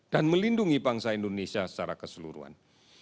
dan melindungi bangsa indonesia secara keseluruhan